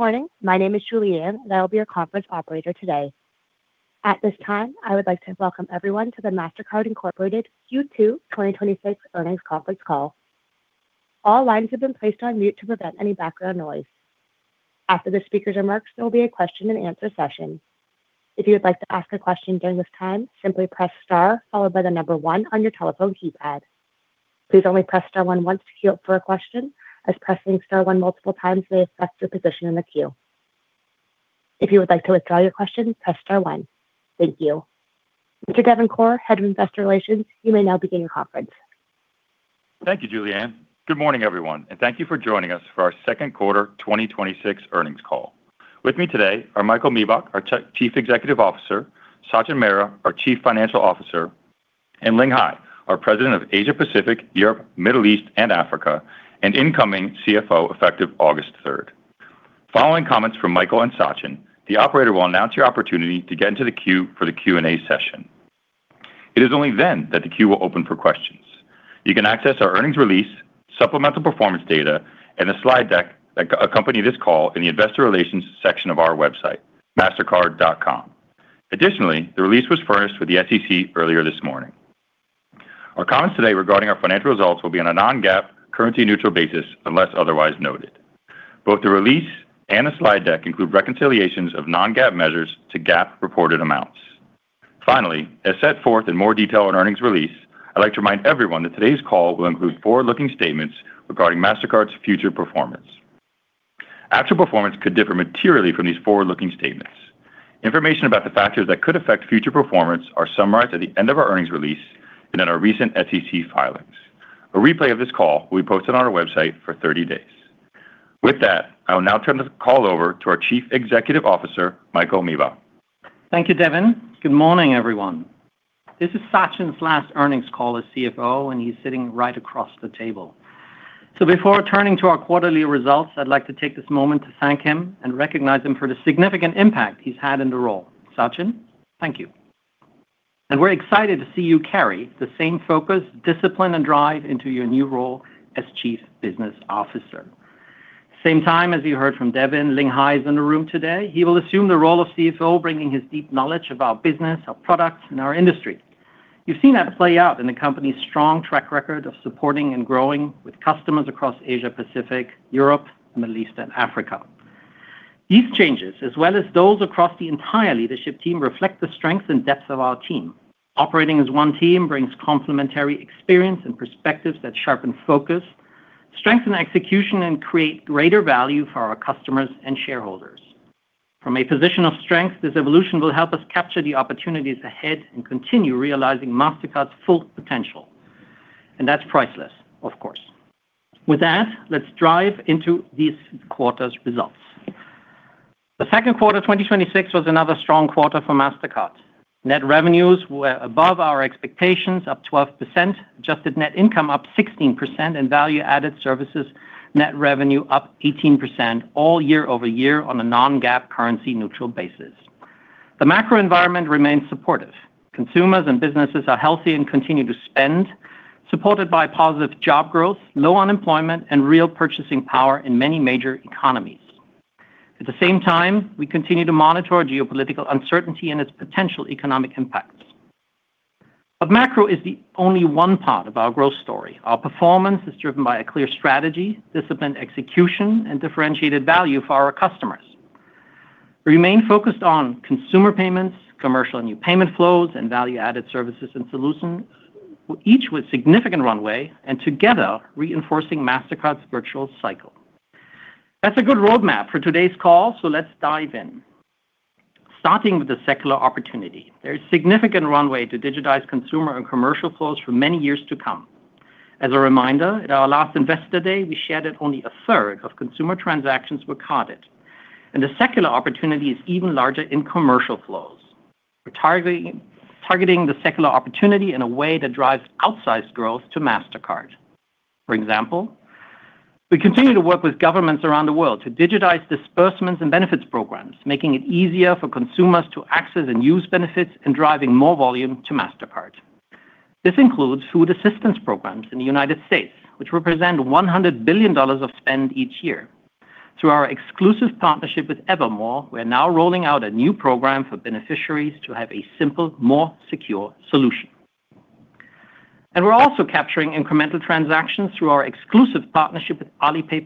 Good morning. My name is Julianne, and I will be your conference operator today. At this time, I would like to welcome everyone to the Mastercard Incorporated Q2 2026 earnings conference call. All lines have been placed on mute to prevent any background noise. After the speakers' remarks, there will be a question and answer session. If you would like to ask a question during this time, simply press star, followed by the number one on your telephone keypad. Please only press star one once to queue up for a question, as pressing star one multiple times may affect your position in the queue. If you would like to withdraw your question, press star one. Thank you. Mr. Devin Corr, Head of Investor Relations, you may now begin your conference. Thank you, Julianne. Good morning, everyone, and thank you for joining us for our second quarter 2026 earnings call. With me today are Michael Miebach, our Chief Executive Officer, Sachin Mehra, our Chief Financial Officer, and Ling Hai, our President of Asia Pacific, Europe, Middle East, and Africa, and incoming CFO effective August 3rd. Following comments from Michael and Sachin, the operator will announce your opportunity to get into the queue for the Q&A session. It is only then that the queue will open for questions. You can access our earnings release, supplemental performance data, and the slide deck that accompany this call in the investor relations section of our website, mastercard.com. Additionally, the release was furnished with the SEC earlier this morning. Our comments today regarding our financial results will be on a non-GAAP, currency-neutral basis unless otherwise noted. Both the release and the slide deck include reconciliations of non-GAAP measures to GAAP reported amounts. Finally, as set forth in more detail in our earnings release, I'd like to remind everyone that today's call will include forward-looking statements regarding Mastercard's future performance. Actual performance could differ materially from these forward-looking statements. Information about the factors that could affect future performance are summarized at the end of our earnings release and in our recent SEC filings. A replay of this call will be posted on our website for 30 days. With that, I will now turn the call over to our Chief Executive Officer, Michael Miebach. Thank you, Devin. Good morning, everyone. This is Sachin's last earnings call as CFO, and he's sitting right across the table. Before turning to our quarterly results, I'd like to take this moment to thank him and recognize him for the significant impact he's had in the role. Sachin, thank you. We're excited to see you carry the same focus, discipline, and drive into your new role as Chief Business Officer. Same time, as you heard from Devin, Ling Hai is in the room today. He will assume the role of CFO, bringing his deep knowledge of our business, our products, and our industry. You've seen that play out in the company's strong track record of supporting and growing with customers across Asia, Pacific, Europe, Middle East, and Africa. These changes, as well as those across the entire leadership team, reflect the strength and depth of our team. Operating as one team brings complementary experience and perspectives that sharpen focus, strengthen execution, and create greater value for our customers and shareholders. From a position of strength, this evolution will help us capture the opportunities ahead and continue realizing Mastercard's full potential, and that's priceless, of course. With that, let's drive into this quarter's results. The second quarter of 2026 was another strong quarter for Mastercard. Net revenues were above our expectations, up 12%, adjusted net income up 16%, and value-added services net revenue up 18%, all year-over-year on a non-GAAP, currency-neutral basis. The macro environment remains supportive. Consumers and businesses are healthy and continue to spend, supported by positive job growth, low unemployment, and real purchasing power in many major economies. At the same time, we continue to monitor geopolitical uncertainty and its potential economic impacts. Macro is the only one part of our growth story. Our performance is driven by a clear strategy, disciplined execution, and differentiated value for our customers. We remain focused on consumer payments, commercial and new payment flows, and value-added services and solutions, each with significant runway, and together, reinforcing Mastercard's virtual cycle. That's a good roadmap for today's call. Let's dive in. Starting with the secular opportunity, there is significant runway to digitize consumer and commercial flows for many years to come. As a reminder, at our last Investor Day, we shared that only a third of consumer transactions were carded, and the secular opportunity is even larger in commercial flows. We're targeting the secular opportunity in a way that drives outsized growth to Mastercard. For example, we continue to work with governments around the world to digitize disbursements and benefits programs, making it easier for consumers to access and use benefits and driving more volume to Mastercard. This includes food assistance programs in the United States, which represent $100 billion of spend each year. Through our exclusive partnership with Evermore, we are now rolling out a new program for beneficiaries to have a simple, more secure solution. We're also capturing incremental transactions through our exclusive partnership with Alipay+,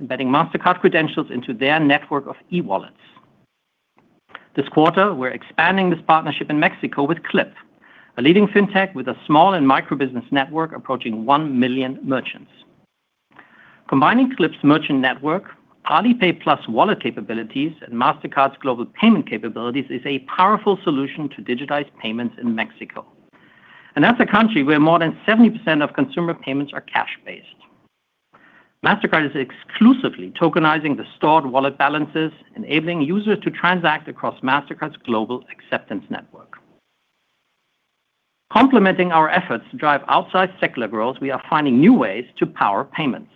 embedding Mastercard credentials into their network of e-wallets. This quarter, we're expanding this partnership in Mexico with Clip, a leading fintech with a small and micro-business network approaching 1 million merchants. Combining Clip's merchant network, Alipay+ wallet capabilities, and Mastercard's global payment capabilities is a powerful solution to digitize payments in Mexico. That's a country where more than 70% of consumer payments are cash-based. Mastercard is exclusively tokenizing the stored wallet balances, enabling users to transact across Mastercard's global acceptance network. Complementing our efforts to drive outsized secular growth, we are finding new ways to power payments.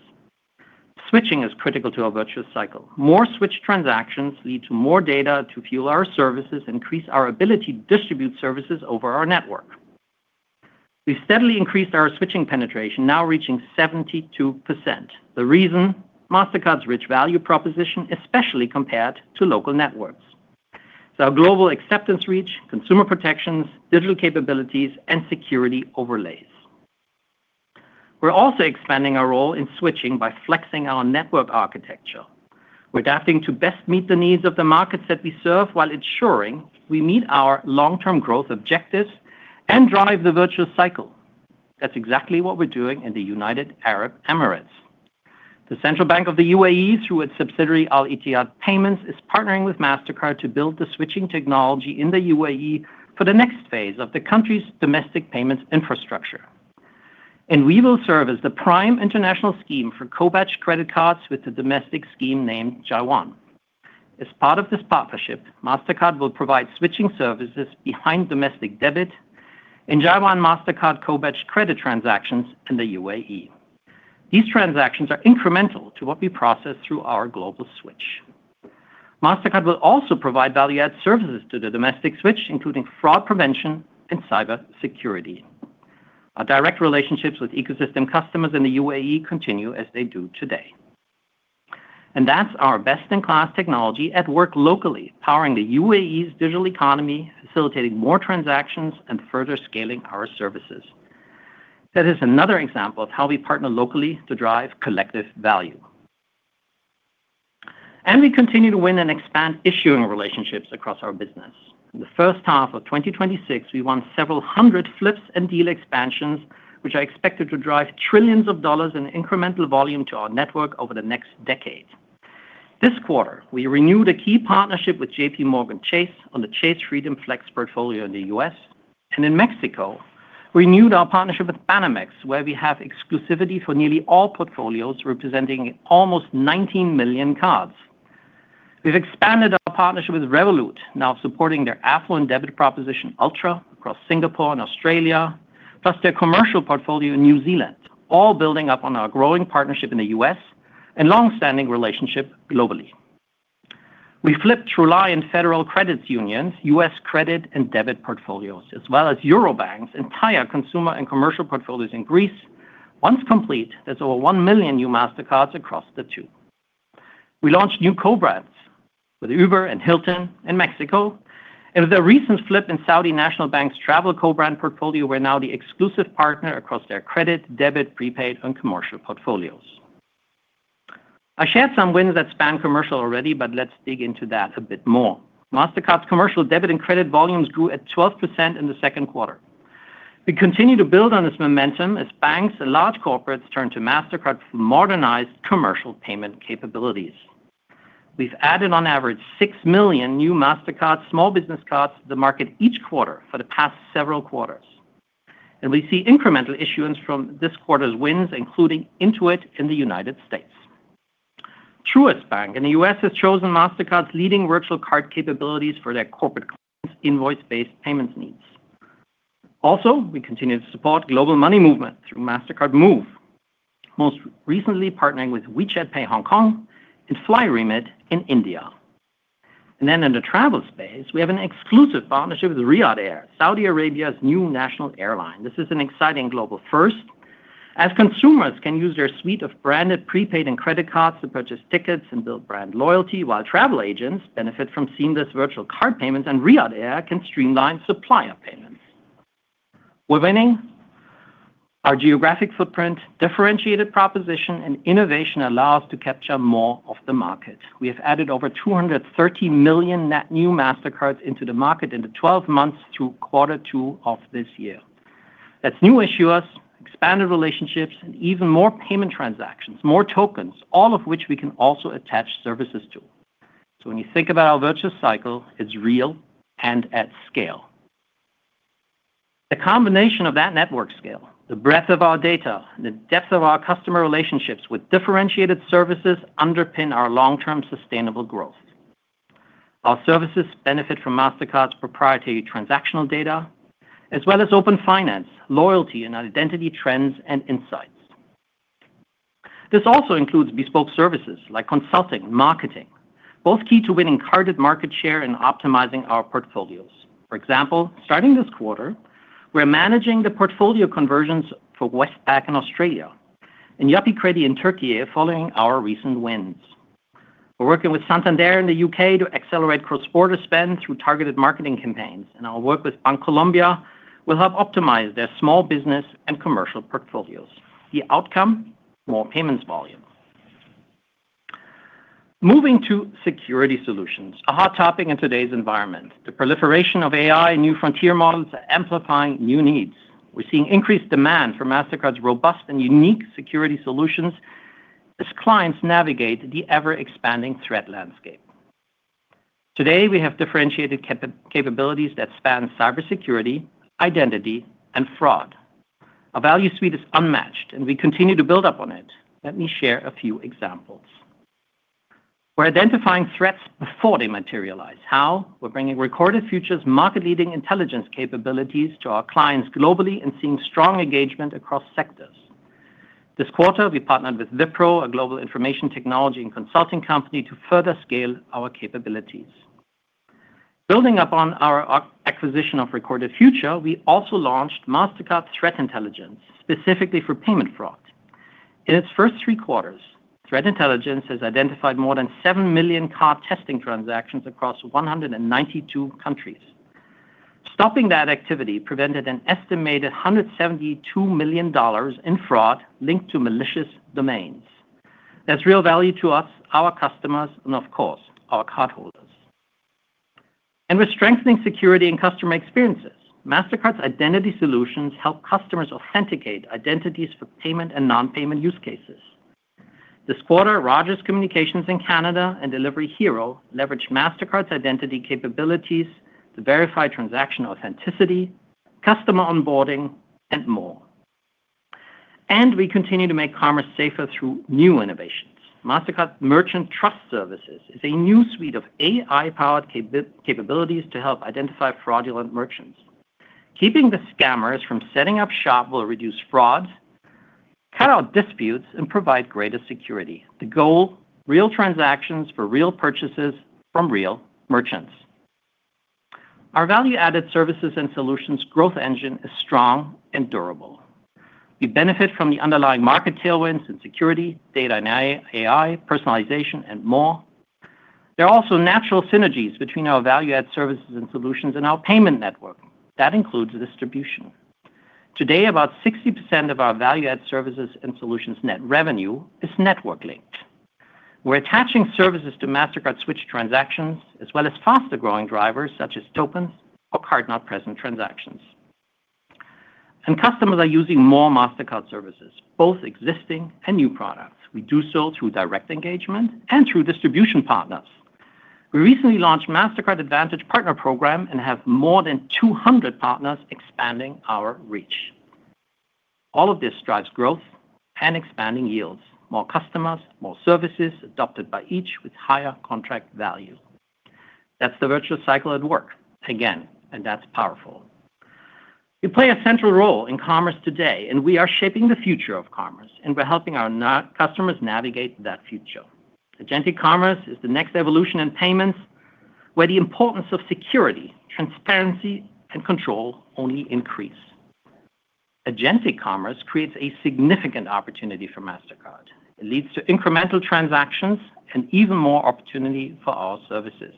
Switching is critical to our virtuous cycle. More switch transactions lead to more data to fuel our services and increase our ability to distribute services over our network. We've steadily increased our switching penetration, now reaching 72%. The reason, Mastercard's rich value proposition, especially compared to local networks. It's our global acceptance reach, consumer protections, digital capabilities, and security overlays. We're also expanding our role in switching by flexing our network architecture. We're adapting to best meet the needs of the markets that we serve while ensuring we meet our long-term growth objectives and drive the virtuous cycle. That's exactly what we're doing in the United Arab Emirates. The Central Bank of the UAE, through its subsidiary, Al Etihad Payments, is partnering with Mastercard to build the switching technology in the UAE for the next phase of the country's domestic payments infrastructure. We will serve as the prime international scheme for co-badged credit cards with the domestic scheme named Jaywan. As part of this partnership, Mastercard will provide switching services behind domestic debit and Jaywan Mastercard co-badged credit transactions in the UAE. These transactions are incremental to what we process through our global switch. Mastercard will also provide value-add services to the domestic switch, including fraud prevention and cybersecurity. Our direct relationships with ecosystem customers in the UAE continue as they do today. That's our best-in-class technology at work locally, powering the UAE's digital economy, facilitating more transactions, and further scaling our services. That is another example of how we partner locally to drive collective value. We continue to win and expand issuing relationships across our business. In the first half of 2026, we won several hundred flips and deal expansions, which are expected to drive trillions of dollars in incremental volume to our network over the next decade. This quarter, we renewed a key partnership with JPMorgan Chase on the Chase Freedom Flex portfolio in the U.S., and in Mexico, renewed our partnership with Banamex, where we have exclusivity for nearly all portfolios, representing almost 19 million cards. We've expanded our partnership with Revolut, now supporting their affluent debit proposition, Ultra, across Singapore and Australia, plus their commercial portfolio in New Zealand, all building up on our growing partnership in the U.S. and long-standing relationship globally. We flipped through Alliance Federal Credit Union's U.S. credit and debit portfolios, as well as Eurobank's entire consumer and commercial portfolios in Greece. Once complete, that's over 1 million new Mastercards across the two. We launched new co-brands with Uber and Hilton in Mexico. With a recent flip in Saudi National Bank's travel co-brand portfolio, we're now the exclusive partner across their credit, debit, prepaid, and commercial portfolios. I shared some wins that span commercial already, but let's dig into that a bit more. Mastercard's commercial debit and credit volumes grew at 12% in the second quarter. We continue to build on this momentum as banks and large corporates turn to Mastercard for modernized commercial payment capabilities. We've added on average six million new Mastercard small business cards to the market each quarter for the past several quarters. We see incremental issuance from this quarter's wins, including Intuit in the United States. Truist Bank in the U.S. has chosen Mastercard's leading virtual card capabilities for their corporate clients' invoice-based payments needs. Also, we continue to support global money movement through Mastercard Move, most recently partnering with WeChat Pay Hong Kong and FlyRemit in India. In the travel space, we have an exclusive partnership with Riyadh Air, Saudi Arabia's new national airline. This is an exciting global first, as consumers can use their suite of branded prepaid and credit cards to purchase tickets and build brand loyalty while travel agents benefit from seamless virtual card payments and Riyadh Air can streamline supplier payments. We're winning. Our geographic footprint, differentiated proposition, and innovation allow us to capture more of the market. We have added over $230 million net new Mastercards into the market in the 12 months through quarter two of this year. That's new issuers, expanded relationships, and even more payment transactions, more tokens, all of which we can also attach services to. When you think about our virtuous cycle, it's real and at scale. The combination of that network scale, the breadth of our data, the depth of our customer relationships with differentiated services underpin our long-term sustainable growth. Our services benefit from Mastercard's proprietary transactional data as well as open finance, loyalty, and identity trends and insights. This also includes bespoke services like consulting, marketing, both key to winning carded market share and optimizing our portfolios. For example, starting this quarter, we're managing the portfolio conversions for Westpac in Australia and Yapı Kredi in Turkey following our recent wins. We're working with Santander in the U.K. to accelerate cross-border spend through targeted marketing campaigns. Our work with Bancolombia will help optimize their small business and commercial portfolios. The outcome, more payments volume. Moving to security solutions, a hot topic in today's environment. The proliferation of AI and new frontier models are amplifying new needs. We're seeing increased demand for Mastercard's robust and unique security solutions as clients navigate the ever-expanding threat landscape. Today, we have differentiated capabilities that span cybersecurity, identity, and fraud. Our value suite is unmatched, and we continue to build up on it. Let me share a few examples. We're identifying threats before they materialize. How? We're bringing Recorded Future's market-leading intelligence capabilities to our clients globally and seeing strong engagement across sectors. This quarter, we partnered with Wipro, a global information technology and consulting company, to further scale our capabilities. Building up on our acquisition of Recorded Future, we also launched Mastercard Threat Intelligence specifically for payment fraud. In its first three quarters, Threat Intelligence has identified more than 7 million card testing transactions across 192 countries. Stopping that activity prevented an estimated $172 million in fraud linked to malicious domains. That's real value to us, our customers, and of course, our cardholders. We're strengthening security and customer experiences. Mastercard's identity solutions help customers authenticate identities for payment and non-payment use cases. This quarter, Rogers Communications in Canada and Delivery Hero leveraged Mastercard's identity capabilities to verify transaction authenticity, customer onboarding, and more. We continue to make commerce safer through new innovations. Mastercard Merchant Trust Services is a new suite of AI-powered capabilities to help identify fraudulent merchants. Keeping the scammers from setting up shop will reduce fraud, cut out disputes, and provide greater security. The goal, real transactions for real purchases from real merchants. Our value-added services and solutions growth engine is strong and durable. We benefit from the underlying market tailwinds in security, data and AI, personalization, and more. There are also natural synergies between our Value-Added Services and Solutions and our payment network. That includes distribution. Today, about 60% of our Value-Added Services and Solutions net revenue is network-linked. We're attaching services to Mastercard switch transactions, as well as faster-growing drivers such as tokens or card-not-present transactions. Customers are using more Mastercard services, both existing and new products. We do so through direct engagement and through distribution partners. We recently launched Mastercard Partner Advantage Program and have more than 200 partners expanding our reach. All of this drives growth and expanding yields. More customers, more services adopted by each with higher contract value. That's the virtuous cycle at work, again, and that's powerful. We play a central role in commerce today, and we are shaping the future of commerce, and we're helping our customers navigate that future. Agentic commerce is the next evolution in payments, where the importance of security, transparency, and control only increase. Agentic commerce creates a significant opportunity for Mastercard. It leads to incremental transactions and even more opportunity for our services.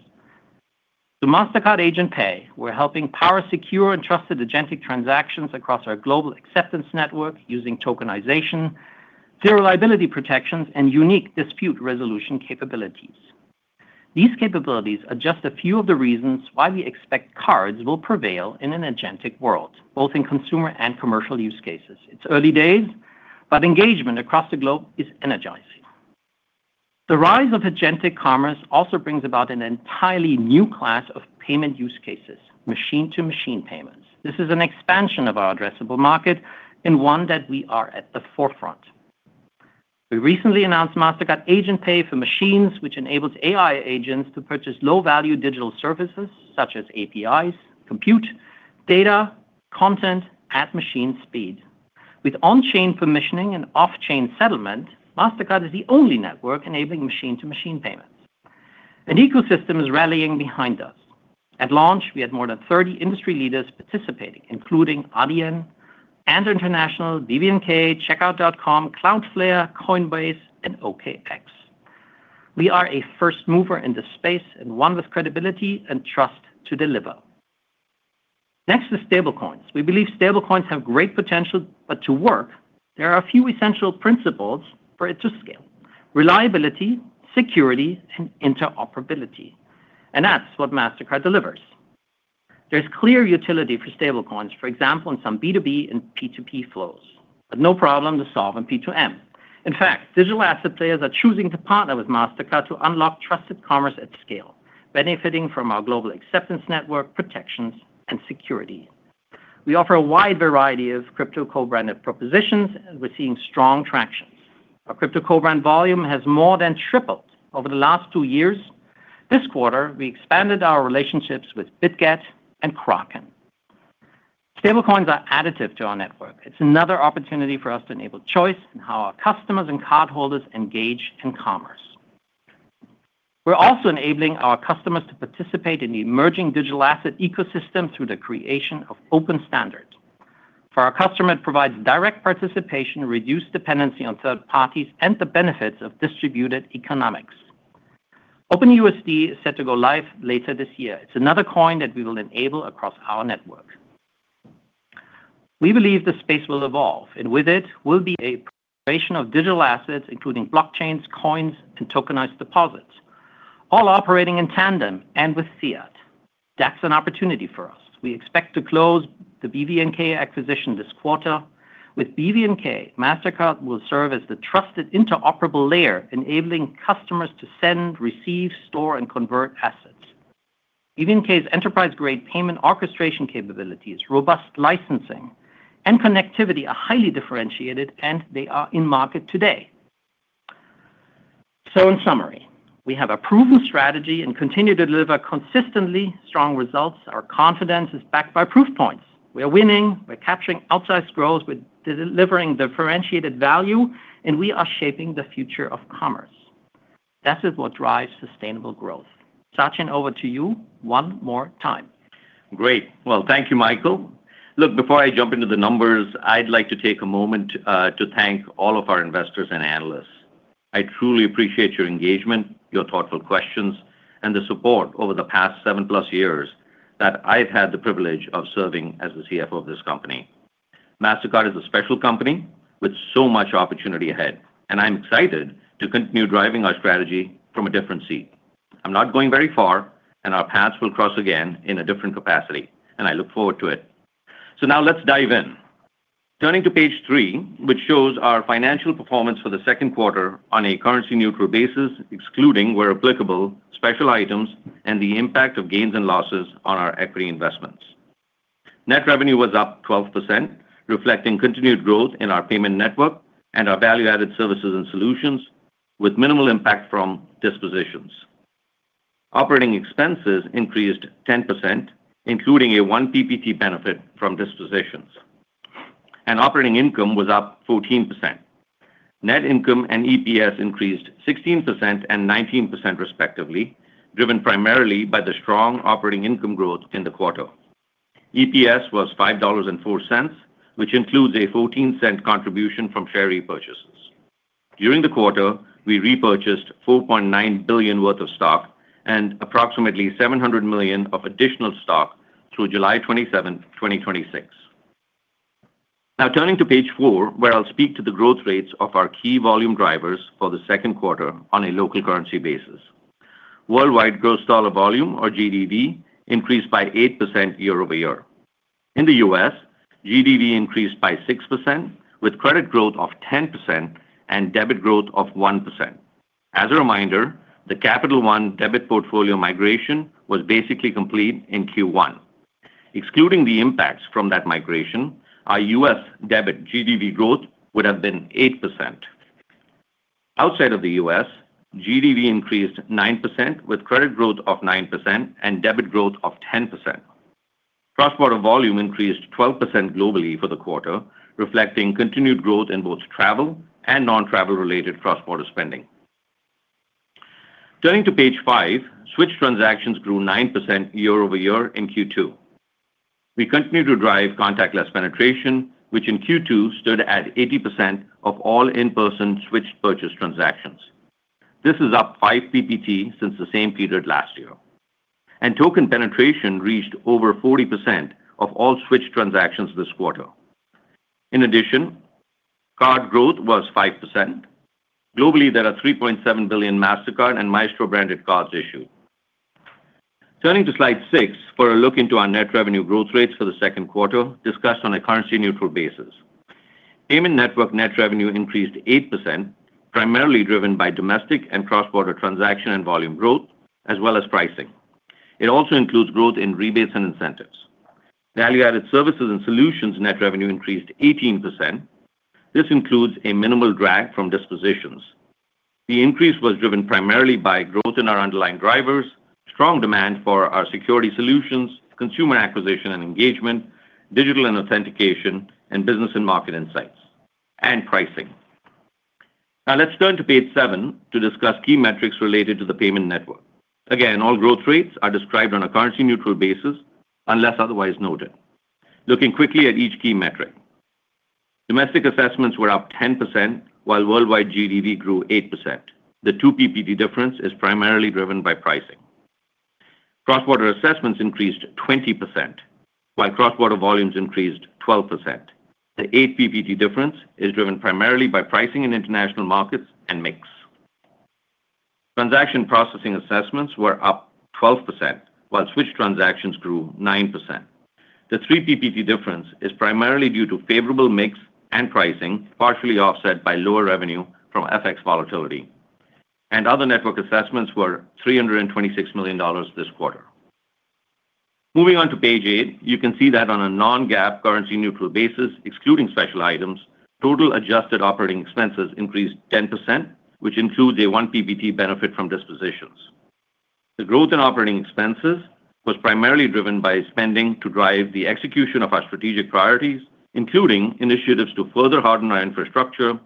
Through Mastercard Agent Pay, we're helping power secure and trusted agentic transactions across our global acceptance network using tokenization, zero liability protections, and unique dispute resolution capabilities. These capabilities are just a few of the reasons why we expect cards will prevail in an agentic world, both in consumer and commercial use cases. It's early days, but engagement across the globe is energizing. The rise of agentic commerce also brings about an entirely new class of payment use cases, machine-to-machine payments. This is an expansion of our addressable market and one that we are at the forefront. We recently announced Mastercard Agent Pay for Machines, which enables AI agents to purchase low-value digital services such as APIs, compute, data, content at machine speed. With on-chain permissioning and off-chain settlement, Mastercard is the only network enabling machine-to-machine payments. An ecosystem is rallying behind us. At launch, we had more than 30 industry leaders participating, including Adyen, Ant International, BVNK, Checkout.com, Cloudflare, Coinbase, and OKX. We are a first mover in this space and one with credibility and trust to deliver. Next is stablecoins. We believe stablecoins have great potential, but to work, there are a few essential principles for it to scale. Reliability, security, and interoperability. That's what Mastercard delivers. There's clear utility for stablecoins, for example, in some B2B and P2P flows, but no problem to solve in P2M. In fact, digital asset players are choosing to partner with Mastercard to unlock trusted commerce at scale, benefiting from our global acceptance network protections and security. We offer a wide variety of crypto co-branded propositions, and we're seeing strong traction. Our crypto co-brand volume has more than tripled over the last two years. This quarter, we expanded our relationships with Bitget and Kraken. Stablecoins are additive to our network. It's another opportunity for us to enable choice in how our customers and cardholders engage in commerce. We're also enabling our customers to participate in the emerging digital asset ecosystem through the creation of open standards. For our customer, it provides direct participation, reduced dependency on third parties, and the benefits of distributed economics. OpenUSD is set to go live later this year. It's another coin that we will enable across our network. We believe the space will evolve, and with it will be a creation of digital assets, including blockchains, coins, and tokenized deposits, all operating in tandem and with fiat. That's an opportunity for us. We expect to close the BVNK acquisition this quarter. With BVNK, Mastercard will serve as the trusted interoperable layer, enabling customers to send, receive, store, and convert assets. BVNK's enterprise-grade payment orchestration capabilities, robust licensing, and connectivity are highly differentiated, and they are in market today. In summary, we have a proven strategy and continue to deliver consistently strong results. Our confidence is backed by proof points. We are winning. We're capturing outsized growth. We're delivering differentiated value, and we are shaping the future of commerce. That is what drives sustainable growth. Sachin, over to you one more time. Great. Well, thank you, Michael. Look, before I jump into the numbers, I'd like to take a moment to thank all of our investors and analysts. I truly appreciate your engagement, your thoughtful questions, and the support over the past seven plus years that I've had the privilege of serving as the CFO of this company. Mastercard is a special company with so much opportunity ahead, and I'm excited to continue driving our strategy from a different seat. I'm not going very far, and our paths will cross again in a different capacity, and I look forward to it. Now let's dive in. Turning to page three, which shows our financial performance for the second quarter on a currency-neutral basis, excluding, where applicable, special items and the impact of gains and losses on our equity investments. Net revenue was up 12%, reflecting continued growth in our payment network and our value-added services and solutions, with minimal impact from dispositions. Operating expenses increased 10%, including a 1 PPT benefit from dispositions. Operating income was up 14%. Net income and EPS increased 16% and 19% respectively, driven primarily by the strong operating income growth in the quarter. EPS was $5.04, which includes a $0.14 contribution from share repurchases. During the quarter, we repurchased $4.9 billion worth of stock and approximately $700 million of additional stock through July 27th, 2026. Now turning to page four, where I'll speak to the growth rates of our key volume drivers for the second quarter on a local currency basis. Worldwide gross dollar volume, or GDV, increased by 8% year-over-year. In the U.S., GDV increased by 6%, with credit growth of 10% and debit growth of 1%. As a reminder, the Capital One debit portfolio migration was basically complete in Q1. Excluding the impacts from that migration, our U.S. debit GDV growth would have been 8%. Outside of the U.S., GDV increased 9%, with credit growth of 9% and debit growth of 10%. Cross-border volume increased 12% globally for the quarter, reflecting continued growth in both travel and non-travel related cross-border spending. Turning to page five, switch transactions grew 9% year-over-year in Q2. We continue to drive contactless penetration, which in Q2 stood at 80% of all in-person switched purchase transactions. This is up 5 PPT since the same period last year. Token penetration reached over 40% of all switched transactions this quarter. In addition, card growth was 5%. Globally, there are 3.7 billion Mastercard and Maestro-branded cards issued. Turning to slide six for a look into our net revenue growth rates for the second quarter, discussed on a currency-neutral basis. Payment Network net revenue increased 8%, primarily driven by domestic and cross-border transaction and volume growth, as well as pricing. It also includes growth in rebates and incentives. Value-Added Services and Solutions net revenue increased 18%. This includes a minimal drag from dispositions. The increase was driven primarily by growth in our underlying drivers, strong demand for our security solutions, consumer acquisition and engagement, digital and authentication, and business and market insights, and pricing. Let's turn to page seven to discuss key metrics related to the Payment Network. Again, all growth rates are described on a currency-neutral basis unless otherwise noted. Looking quickly at each key metric. Domestic assessments were up 10%, while worldwide GDV grew 8%. The two PPT difference is primarily driven by pricing. Cross-border assessments increased 20%, while cross-border volumes increased 12%. The eight PPT difference is driven primarily by pricing in international markets and mix. Transaction processing assessments were up 12%, while switched transactions grew 9%. The three PPT difference is primarily due to favorable mix and pricing, partially offset by lower revenue from FX volatility, and other network assessments were $326 million this quarter. Moving on to page eight, you can see that on a non-GAAP currency neutral basis, excluding special items, total adjusted operating expenses increased 10%, which includes a one PPT benefit from dispositions. The growth in operating expenses was primarily driven by spending to drive the execution of our strategic priorities, including initiatives to further harden our infrastructure,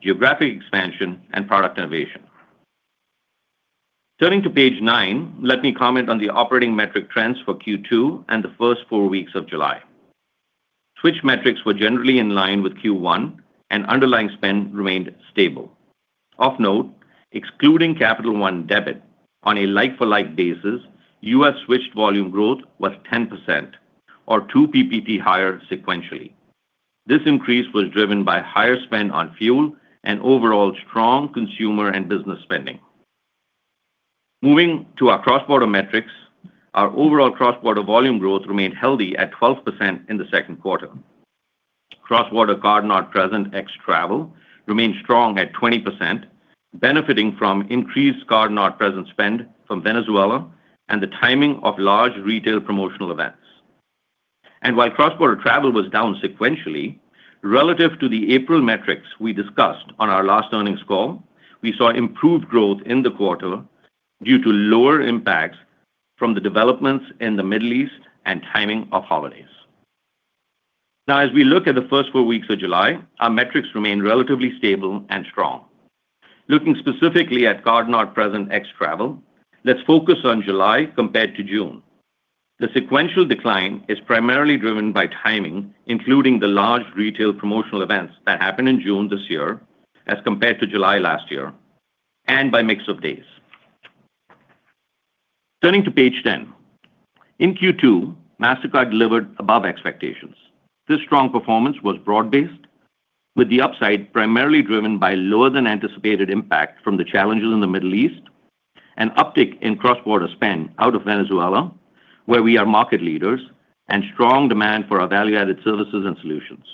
geographic expansion, and product innovation. Turning to page nine, let me comment on the operating metric trends for Q2 and the first four weeks of July. Switched metrics were generally in line with Q1, and underlying spend remained stable. Of note, excluding Capital One debit, on a like-for-like basis, U.S. switched volume growth was 10%, or two PPT higher sequentially. This increase was driven by higher spend on fuel and overall strong consumer and business spending. Moving to our cross-border metrics, our overall cross-border volume growth remained healthy at 12% in the second quarter. Cross-border card-not-present ex-travel remained strong at 20%, benefiting from increased card-not-present spend from Venezuela and the timing of large retail promotional events. While cross-border travel was down sequentially, relative to the April metrics we discussed on our last earnings call, we saw improved growth in the quarter due to lower impacts from the developments in the Middle East and timing of holidays. As we look at the first four weeks of July, our metrics remain relatively stable and strong. Looking specifically at card-not-present ex travel, let's focus on July compared to June. The sequential decline is primarily driven by timing, including the large retail promotional events that happened in June this year as compared to July last year, and by mix of days. Turning to page 10. In Q2, Mastercard delivered above expectations. This strong performance was broad-based, with the upside primarily driven by lower than anticipated impact from the challenges in the Middle East, an uptick in cross-border spend out of Venezuela, where we are market leaders, and strong demand for our Value-Added Services and Solutions.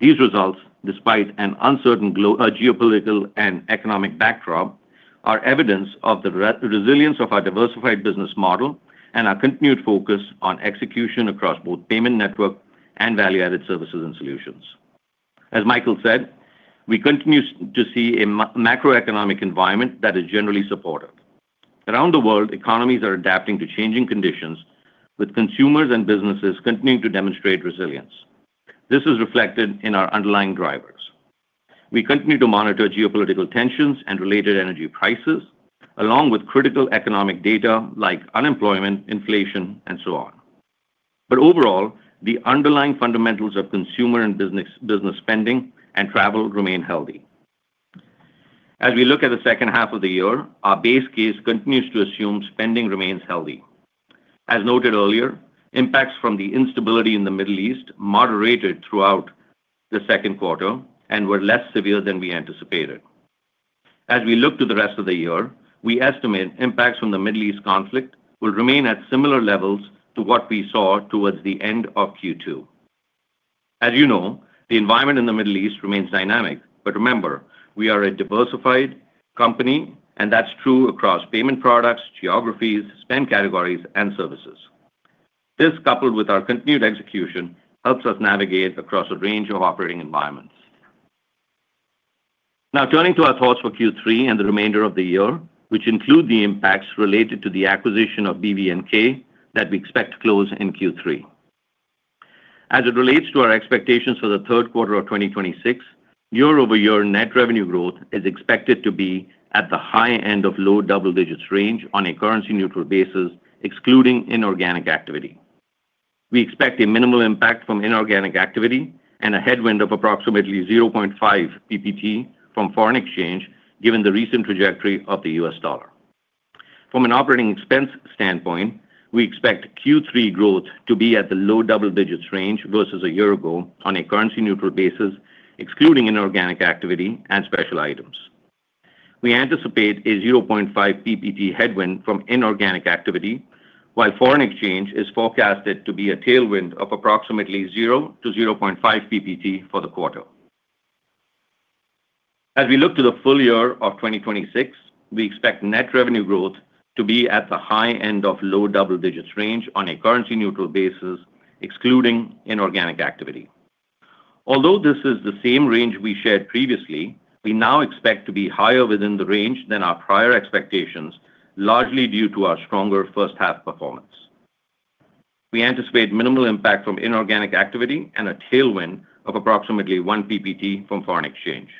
These results, despite an uncertain geopolitical and economic backdrop, are evidence of the resilience of our diversified business model and our continued focus on execution across both Payment Network and Value-Added Services and Solutions. As Michael said, we continue to see a macroeconomic environment that is generally supportive. Around the world, economies are adapting to changing conditions, with consumers and businesses continuing to demonstrate resilience. This is reflected in our underlying drivers. We continue to monitor geopolitical tensions and related energy prices, along with critical economic data like unemployment, inflation, and so on. But overall, the underlying fundamentals of consumer and business spending and travel remain healthy. As we look at the second half of the year, our base case continues to assume spending remains healthy. As noted earlier, impacts from the instability in the Middle East moderated throughout the second quarter and were less severe than we anticipated. As we look to the rest of the year, we estimate impacts from the Middle East conflict will remain at similar levels to what we saw towards the end of Q2. As you know, the environment in the Middle East remains dynamic. Remember, we are a diversified company, and that's true across payment products, geographies, spend categories, and services. This, coupled with our continued execution, helps us navigate across a range of operating environments. Now turning to our thoughts for Q3 and the remainder of the year, which include the impacts related to the acquisition of BVNK that we expect to close in Q3. As it relates to our expectations for the third quarter of 2026, year-over-year net revenue growth is expected to be at the high end of low double digits range on a currency neutral basis, excluding inorganic activity. We expect a minimal impact from inorganic activity and a headwind of approximately 0.5 PPT from foreign exchange, given the recent trajectory of the U.S. dollar. From an operating expense standpoint, we expect Q3 growth to be at the low double digits range versus a year ago on a currency neutral basis, excluding inorganic activity and special items. We anticipate a 0.5 PPT headwind from inorganic activity, while foreign exchange is forecasted to be a tailwind of approximately zero to 0.5 PPT for the quarter. As we look to the full year of 2026, we expect net revenue growth to be at the high end of low double digits range on a currency neutral basis, excluding inorganic activity. Although this is the same range we shared previously, we now expect to be higher within the range than our prior expectations, largely due to our stronger first half performance. We anticipate minimal impact from inorganic activity and a tailwind of approximately 1 PPT from foreign exchange.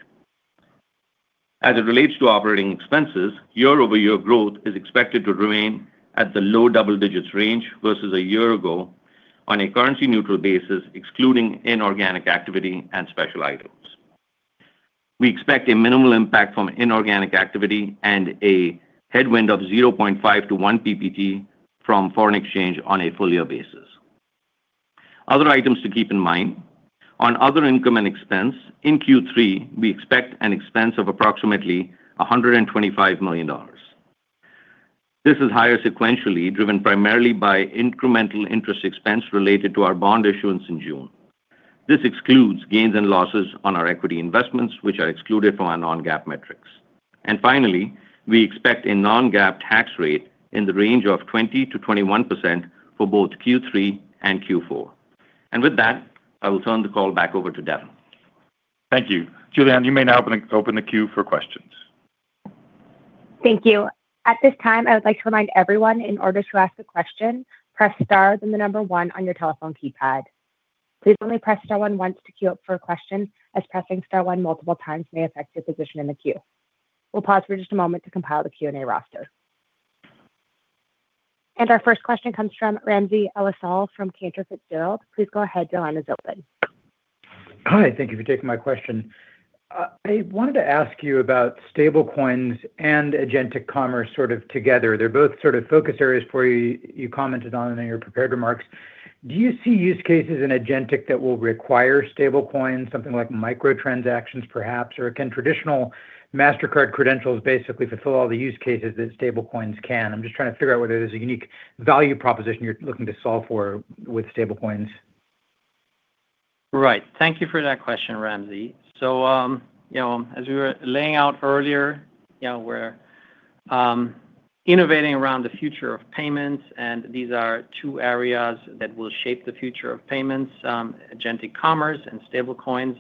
As it relates to operating expenses, year-over-year growth is expected to remain at the low double digits range versus a year ago on a currency neutral basis, excluding inorganic activity and special items. We expect a minimal impact from inorganic activity and a headwind of 0.5-1 PPT from foreign exchange on a full year basis. Other items to keep in mind, on other income and expense, in Q3, we expect an expense of approximately $125 million. This is higher sequentially, driven primarily by incremental interest expense related to our bond issuance in June. This excludes gains and losses on our equity investments, which are excluded from our non-GAAP metrics. And finally, we expect a non-GAAP tax rate in the range of 20%-21% for both Q3 and Q4. And with that, I will turn the call back over to Devin. Thank you. Julianne, you may now open the queue for questions. Thank you. At this time, I would like to remind everyone, in order to ask a question, press star, then the number one on your telephone keypad. Please only press star one once to queue up for a question, as pressing star one multiple times may affect your position in the queue. We'll pause for just a moment to compile the Q&A roster. Our first question comes from Ramsey El-Assal from Cantor Fitzgerald. Please go ahead. Your line is open. Hi. Thank you for taking my question. I wanted to ask you about stablecoins and agentic commerce sort of together. They're both sort of focus areas for you. You commented on them in your prepared remarks. Do you see use cases in agentic that will require stablecoins, something like micro-transactions perhaps? Or can traditional Mastercard credentials basically fulfill all the use cases that stablecoins can? I'm just trying to figure out whether there's a unique value proposition you're looking to solve for with stablecoins. Right. Thank you for that question, Ramsey. As we were laying out earlier, we're innovating around the future of payments, and these are two areas that will shape the future of payments, agentic commerce and stablecoins.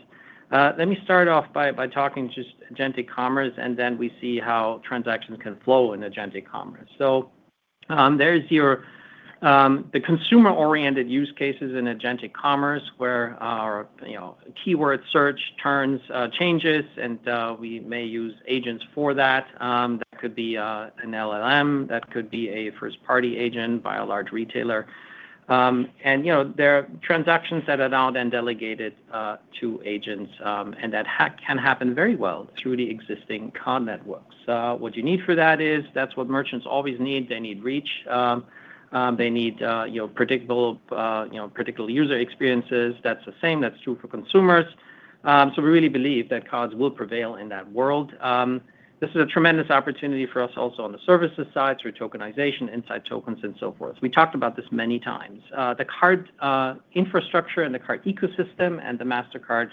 Let me start off by talking just agentic commerce, and then we see how transactions can flow in agentic commerce. There's the consumer-oriented use cases in agentic commerce where our keyword search turns changes, and we may use agents for that. That could be an LLM, that could be a first-party agent by a large retailer. There are transactions that are now then delegated to agents, and that can happen very well through the existing card networks. What you need for that is, that's what merchants always need. They need reach, they need predictable user experiences. That's the same, that's true for consumers. We really believe that cards will prevail in that world. This is a tremendous opportunity for us also on the services side through tokenization, inside tokens and so forth. We talked about this many times. The card infrastructure and the card ecosystem and the Mastercard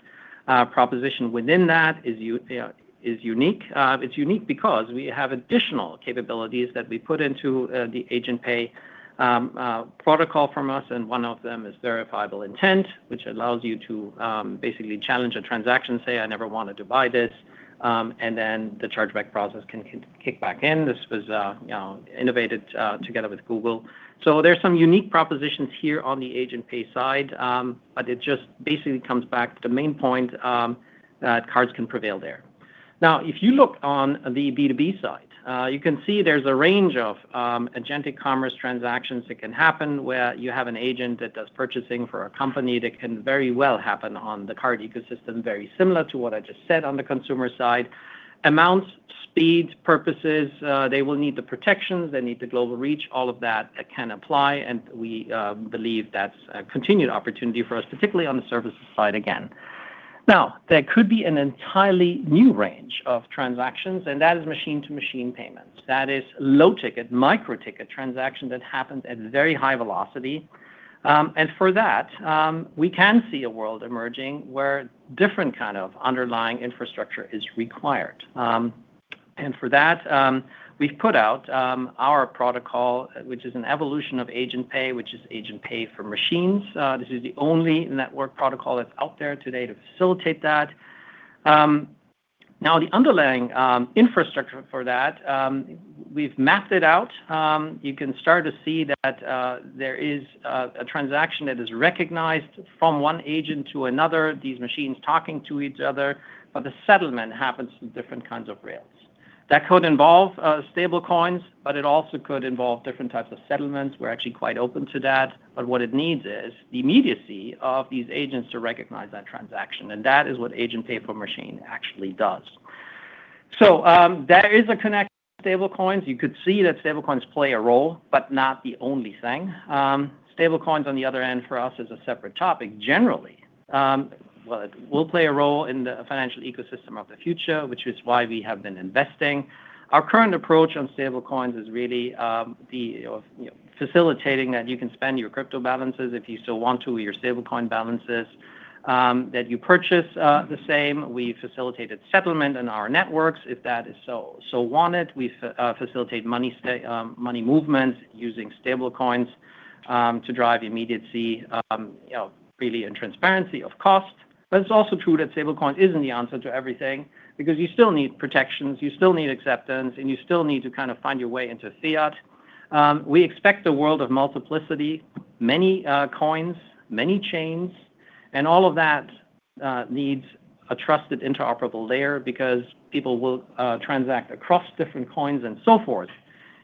proposition within that is unique. It's unique because we have additional capabilities that we put into the Agent Pay protocol from us, and one of them is Verifiable Intent, which allows you to basically challenge a transaction, say, "I never wanted to buy this," and then the chargeback process can kick back in. This was innovated together with Google. There's some unique propositions here on the Agent Pay side, but it just basically comes back to the main point that cards can prevail there. Now, if you look on the B2B side, you can see there's a range of agentic commerce transactions that can happen where you have an agent that does purchasing for a company. That can very well happen on the card ecosystem, very similar to what I just said on the consumer side. Amounts, speeds, purposes, they will need the protections, they need the global reach, all of that can apply, and we believe that's a continued opportunity for us, particularly on the services side again. Now, there could be an entirely new range of transactions, and that is machine-to-machine payments. That is low-ticket, micro-ticket transaction that happens at very high velocity. For that, we can see a world emerging where different kind of underlying infrastructure is required. For that, we've put out our protocol, which is an evolution of Agent Pay, which is Agent Pay for Machines. This is the only network protocol that's out there today to facilitate that. Now, the underlying infrastructure for that, we've mapped it out. You can start to see that there is a transaction that is recognized from one agent to another, these machines talking to each other, but the settlement happens through different kinds of rails. That could involve stablecoins, but it also could involve different types of settlements. We're actually quite open to that. What it needs is the immediacy of these agents to recognize that transaction, and that is what Agent Pay for Machines actually does. There is a connection to stablecoins. You could see that stablecoins play a role, but not the only thing. Stablecoins, on the other hand, for us is a separate topic generally. While it will play a role in the financial ecosystem of the future, which is why we have been investing, our current approach on stablecoins is really facilitating that you can spend your crypto balances if you still want to, or your stablecoin balances, that you purchase the same. We facilitated settlement on our networks if that is so wanted. We facilitate money movements using stablecoins to drive immediacy really and transparency of cost. It's also true that stablecoin isn't the answer to everything because you still need protections, you still need acceptance, and you still need to kind of find your way into fiat. We expect a world of multiplicity, many coins, many chains, and all of that needs a trusted interoperable layer because people will transact across different coins and so forth,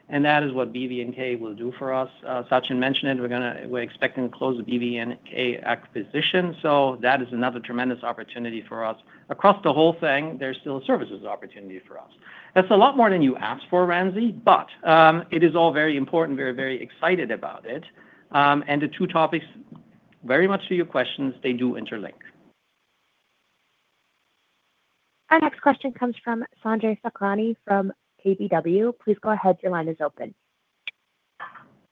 and that is what BVNK will do for us. Sachin mentioned it. We're expecting to close the BVNK acquisition. That is another tremendous opportunity for us. Across the whole thing, there's still services opportunities for us. That's a lot more than you asked for, Ramsey, it is all very important. We're very excited about it. The two topics very much to your questions, they do interlink. Our next question comes from Sanjay Sakhrani from KBW. Please go ahead. Your line is open.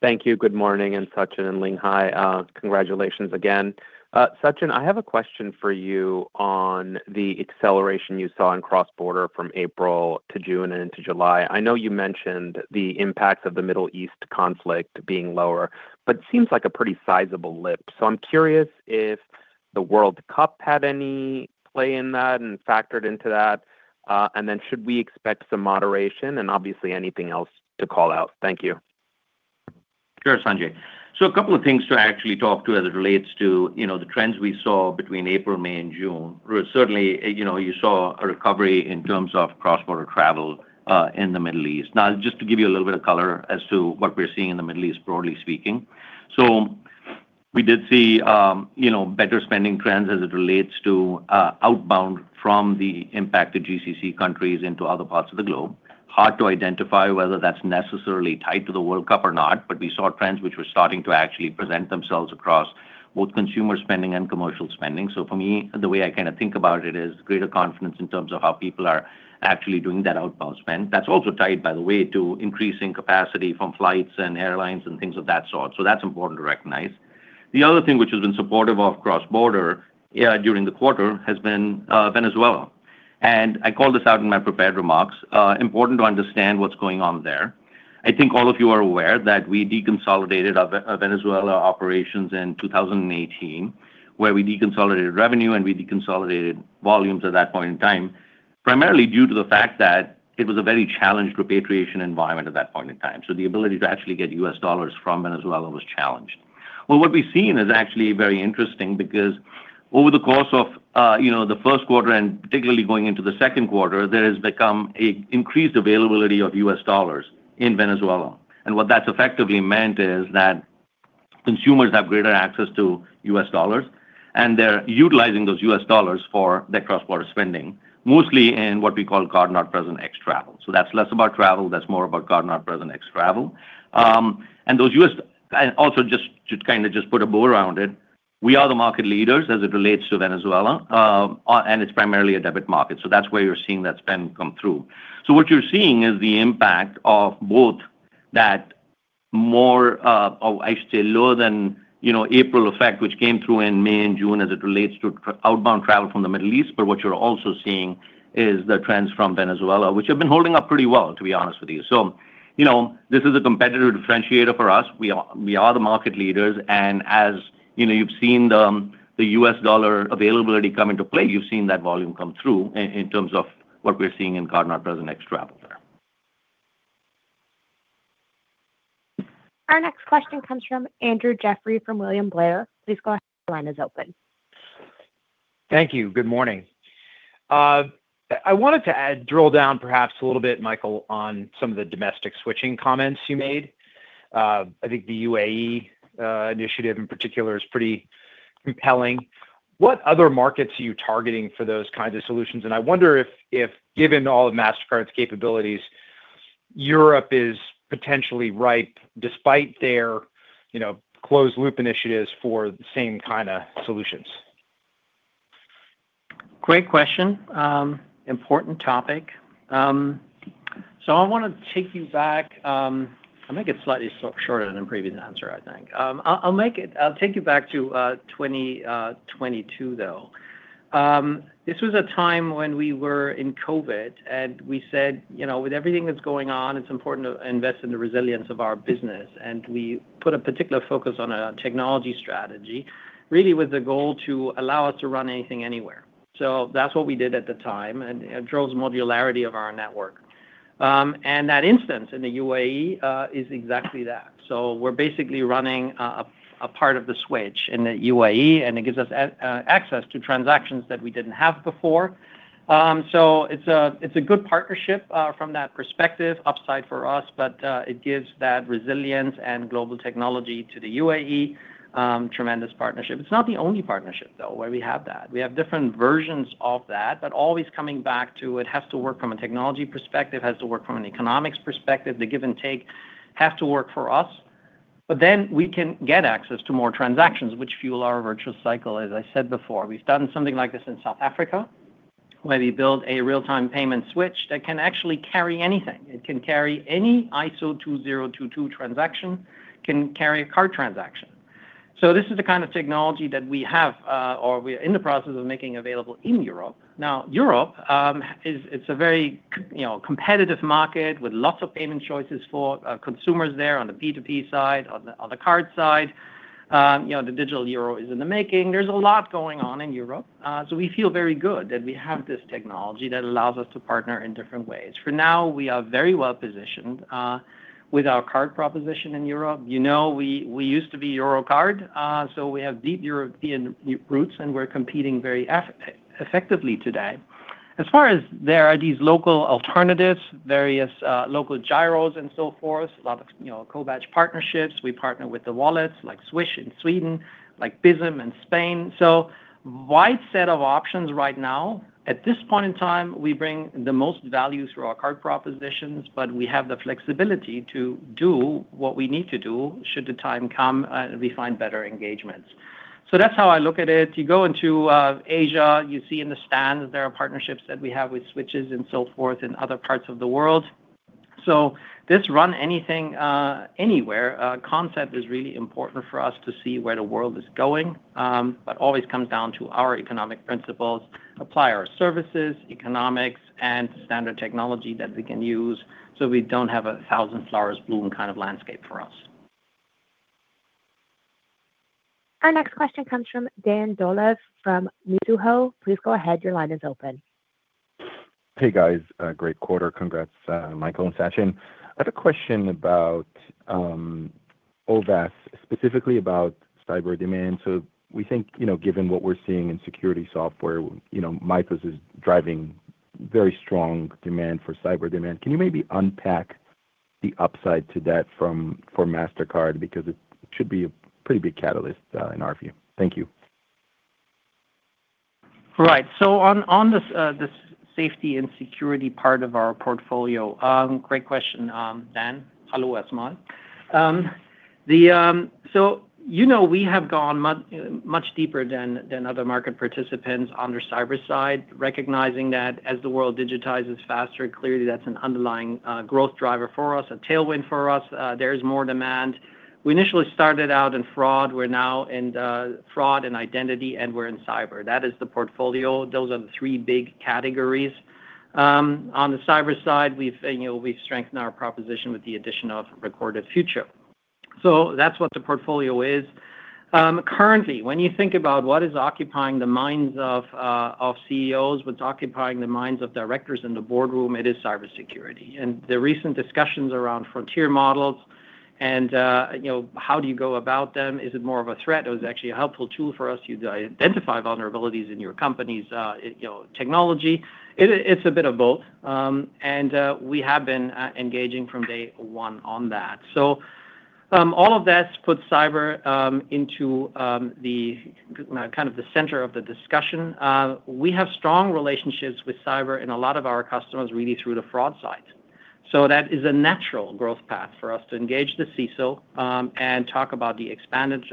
Thank you. Good morning, Sachin and Ling Hai, congratulations again. Sachin, I have a question for you on the acceleration you saw in cross-border from April to June and into July. I know you mentioned the impacts of the Middle East conflict being lower, it seems like a pretty sizable lift. I'm curious if the World Cup had any play in that and factored into that. Should we expect some moderation and obviously anything else to call out? Thank you. Sure, Sanjay. A couple of things to actually talk to as it relates to the trends we saw between April, May, and June. Certainly, you saw a recovery in terms of cross-border travel in the Middle East. Now, just to give you a little bit of color as to what we're seeing in the Middle East, broadly speaking. We did see better spending trends as it relates to outbound from the impacted GCC countries into other parts of the globe. Hard to identify whether that's necessarily tied to the World Cup or not, but we saw trends which were starting to actually present themselves across both consumer spending and commercial spending. For me, the way I kind of think about it is greater confidence in terms of how people are actually doing that outbound spend. That's also tied, by the way, to increasing capacity from flights and airlines and things of that sort. That's important to recognize. The other thing which has been supportive of cross-border during the quarter has been Venezuela. I called this out in my prepared remarks. Important to understand what's going on there. I think all of you are aware that we deconsolidated our Venezuela operations in 2018, where we deconsolidated revenue and we deconsolidated volumes at that point in time. Primarily due to the fact that it was a very challenged repatriation environment at that point in time. The ability to actually get U.S. dollars from Venezuela was challenged. Well, what we've seen is actually very interesting because over the course of the first quarter, and particularly going into the second quarter, there has become an increased availability of U.S. dollars in Venezuela. What that's effectively meant is that consumers have greater access to U.S. dollars, and they're utilizing those U.S. dollars for their cross-border spending, mostly in what we call card-not-present ex-travel. That's less about travel, that's more about card-not-present ex-travel. Also just to kind of just put a bow around it, we are the market leaders as it relates to Venezuela. It's primarily a debit market, so that's where you're seeing that spend come through. What you're seeing is the impact of both that more of, I say lower than April effect, which came through in May and June as it relates to outbound travel from the Middle East. What you're also seeing is the trends from Venezuela, which have been holding up pretty well, to be honest with you. This is a competitive differentiator for us. We are the market leaders, and as you've seen the U.S. dollar availability come into play, you've seen that volume come through in terms of what we're seeing in card-not-present ex-travel there. Our next question comes from Andrew Jeffrey from William Blair. Please go ahead. Your line is open. Thank you. Good morning. I wanted to drill down perhaps a little bit, Michael, on some of the domestic switching comments you made. I think the UAE initiative in particular is pretty compelling. What other markets are you targeting for those kinds of solutions? I wonder if, given all of Mastercard's capabilities, Europe is potentially ripe despite their closed-loop initiatives for the same kind of solutions. Great question. Important topic. I want to take you back. I'll make it slightly shorter than previous answer, I think. I'll take you back to 2022, though. This was a time when we were in COVID, we said, "With everything that's going on, it's important to invest in the resilience of our business." We put a particular focus on a technology strategy, really with the goal to allow us to run anything, anywhere. That's what we did at the time, it drove the modularity of our network. That instance in the UAE is exactly that. We're basically running a part of the switch in the UAE, it gives us access to transactions that we didn't have before. It's a good partnership from that perspective, upside for us, but it gives that resilience and global technology to the UAE. Tremendous partnership. It's not the only partnership, though, where we have that. We have different versions of that, always coming back to it has to work from a technology perspective, has to work from an economics perspective. The give and take have to work for us. We can get access to more transactions, which fuel our virtuous cycle, as I said before. We've done something like this in South Africa, where we built a real-time payment switch that can actually carry anything. It can carry any ISO 20022 transaction, can carry a card transaction. This is the kind of technology that we have, or we're in the process of making available in Europe. Europe, it's a very competitive market with lots of payment choices for consumers there on the P2P side, on the card side. The digital euro is in the making. There's a lot going on in Europe. We feel very good that we have this technology that allows us to partner in different ways. For now, we are very well positioned with our card proposition in Europe. You know, we used to be Eurocard, so we have deep European roots, and we're competing very effectively today. As far as there are these local alternatives, various local Giros and so forth, a lot of co-badged partnerships. We partner with the wallets like Swish in Sweden, like Bizum in Spain. Wide set of options right now. At this point in time, we bring the most value through our card propositions, but we have the flexibility to do what we need to do should the time come and we find better engagements. That's how I look at it. You go into Asia, you see in the stand there are partnerships that we have with switches and so forth in other parts of the world. This run anything, anywhere concept is really important for us to see where the world is going. Always comes down to our economic principles, apply our services, economics, and standard technology that we can use so we don't have a 1,000 flowers blooming kind of landscape for us. Our next question comes from Dan Dolev from Mizuho. Please go ahead. Your line is open. Hey, guys. Great quarter. Congrats, Michael and Sachin. I had a question about OVAS, specifically about cyber demand. We think, given what we're seeing in security software, [MIPOs] is driving very strong demand for cyber demand. Can you maybe unpack the upside to that for Mastercard? It should be a pretty big catalyst in our view. Thank you. Right. On this safety and security part of our portfolio, great question, Dan. Hello once more. You know we have gone much deeper than other market participants on their cyber side, recognizing that as the world digitizes faster, clearly that's an underlying growth driver for us, a tailwind for us. There is more demand. We initially started out in fraud. We're now in fraud and identity, and we're in cyber. That is the portfolio. Those are the three big categories. On the cyber side, we've strengthened our proposition with the addition of Recorded Future. That's what the portfolio is. Currently, when you think about what is occupying the minds of CEOs, what's occupying the minds of directors in the boardroom, it is cybersecurity. The recent discussions around frontier models and how do you go about them? Is it more of a threat or is it actually a helpful tool for us to identify vulnerabilities in your company's technology? It's a bit of both. We have been engaging from day one on that. All of this puts cyber into the center of the discussion. We have strong relationships with cyber in a lot of our customers, really through the fraud side. That is a natural growth path for us to engage the CISO, and talk about the expanded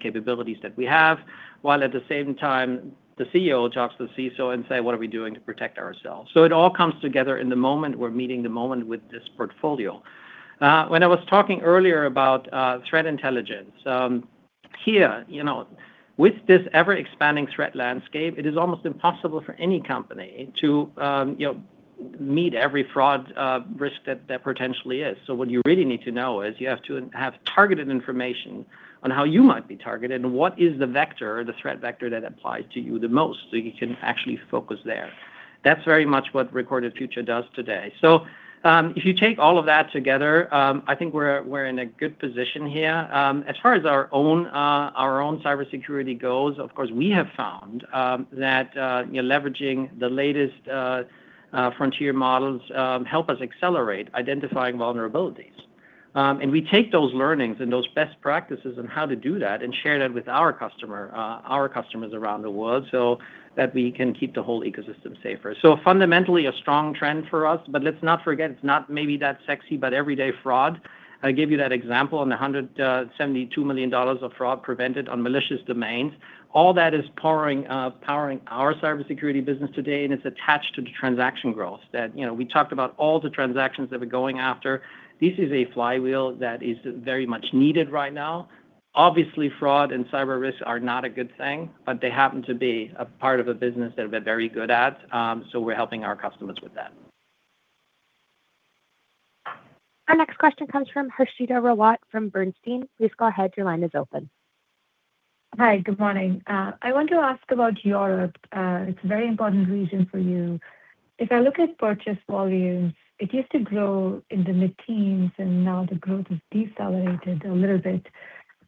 capabilities that we have, while at the same time, the CEO talks to the CISO and say, "What are we doing to protect ourselves?" It all comes together in the moment. We're meeting the moment with this portfolio. When I was talking earlier about threat intelligence. Here, with this ever-expanding threat landscape, it is almost impossible for any company to meet every fraud risk that potentially is. What you really need to know is you have to have targeted information on how you might be targeted and what is the threat vector that applies to you the most, so you can actually focus there. That's very much what Recorded Future does today. If you take all of that together, I think we're in a good position here. As far as our own cybersecurity goes, of course, we have found that leveraging the latest frontier models help us accelerate identifying vulnerabilities. We take those learnings and those best practices on how to do that and share that with our customers around the world so that we can keep the whole ecosystem safer. Fundamentally, a strong trend for us, but let's not forget, it's not maybe that sexy, but everyday fraud. I gave you that example on the $172 million of fraud prevented on malicious domains. All that is powering our cybersecurity business today, and it's attached to the transaction growth that we talked about all the transactions that we're going after. This is a flywheel that is very much needed right now. Obviously, fraud and cyber risks are not a good thing, but they happen to be a part of a business that we're very good at. We're helping our customers with that. Our next question comes from Harshita Rawat from Bernstein. Please go ahead. Your line is open. Hi. Good morning. I want to ask about Europe. It's a very important region for you. If I look at purchase volumes, it used to grow in the mid-teens, now the growth has decelerated a little bit.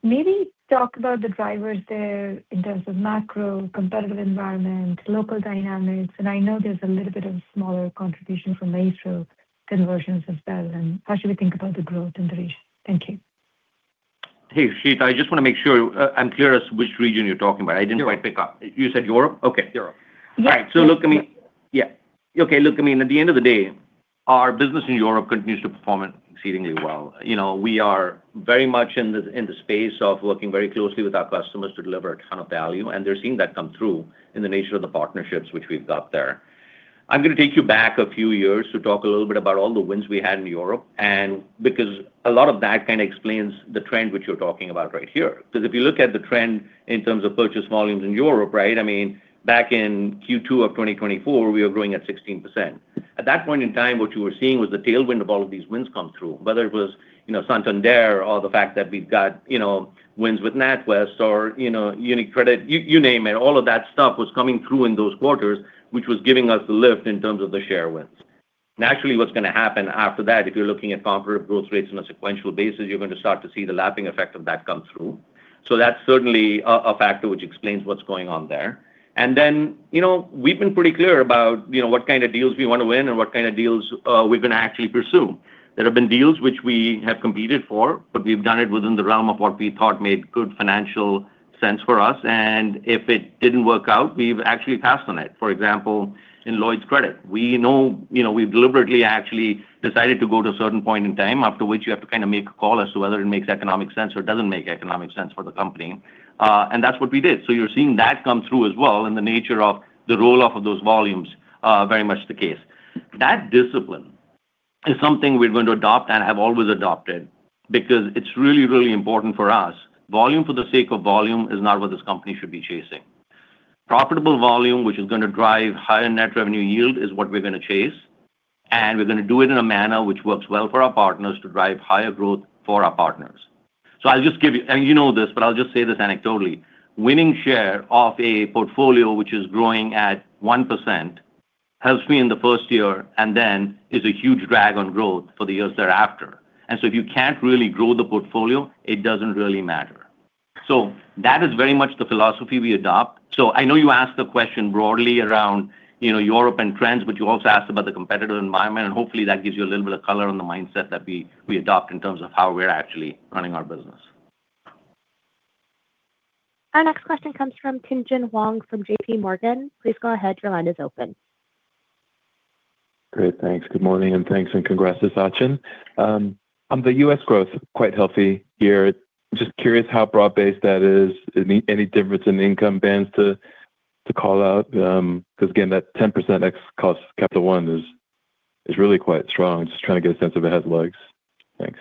Maybe talk about the drivers there in terms of macro, competitive environment, local dynamics, I know there's a little bit of smaller contribution from Asia conversions as well, how should we think about the growth in the region? Thank you. Hey, Harshita, I just want to make sure I'm clear as which region you're talking about. I didn't quite pick up. Europe. You said Europe? Okay. Europe. Yes. All right. Look, I mean, at the end of the day, our business in Europe continues to perform exceedingly well. We are very much in the space of working very closely with our customers to deliver a ton of value, and they're seeing that come through in the nature of the partnerships which we've got there. I'm going to take you back a few years to talk a little bit about all the wins we had in Europe, and because a lot of that kind of explains the trend which you're talking about right here. Because if you look at the trend in terms of purchase volumes in Europe, back in Q2 of 2024, we were growing at 16%. At that point in time, what you were seeing was the tailwind of all of these wins come through, whether it was Santander or the fact that we've got wins with NatWest or UniCredit, you name it. All of that stuff was coming through in those quarters, which was giving us a lift in terms of the share wins. Naturally, what's going to happen after that, if you're looking at comparable growth rates on a sequential basis, you're going to start to see the lapping effect of that come through. That's certainly a factor which explains what's going on there. Then, we've been pretty clear about what kind of deals we want to win and what kind of deals we're going to actually pursue. There have been deals which we have competed for, but we've done it within the realm of what we thought made good financial sense for us. If it didn't work out, we've actually passed on it. For example, in Lloyds Credit, we've deliberately actually decided to go to a certain point in time after which you have to kind of make a call as to whether it makes economic sense or doesn't make economic sense for the company. That's what we did. You're seeing that come through as well in the nature of the roll-off of those volumes, very much the case. That discipline is something we're going to adopt and have always adopted because it's really, really important for us. Volume for the sake of volume is not what this company should be chasing. Profitable volume, which is going to drive higher net revenue yield, is what we're going to chase. We're going to do it in a manner which works well for our partners to drive higher growth for our partners. You know this, but I'll just say this anecdotally, winning share of a portfolio which is growing at 1% helps me in the first year and then is a huge drag on growth for the years thereafter. If you can't really grow the portfolio, it doesn't really matter. That is very much the philosophy we adopt. I know you asked the question broadly around Europe and trends, but you also asked about the competitive environment, and hopefully that gives you a little bit of color on the mindset that we adopt in terms of how we're actually running our business. Our next question comes from Tien-tsin Huang from JPMorgan. Please go ahead. Your line is open. Great. Thanks. Good morning, and thanks and congrats to Sachin. On the U.S. growth, quite healthy here. Just curious how broad-based that is. Any difference in income bands to call out? Because again, that 10% ex cost Capital One is really quite strong. Just trying to get a sense of it has legs. Thanks.